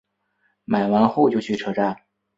买完后就去车站